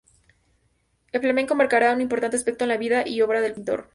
El flamenco marcará un importante aspecto en la vida y obra del pintor.